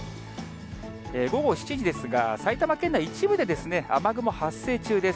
午後７時ですが、埼玉県内、一部で雨雲発生中です。